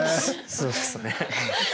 そうですね。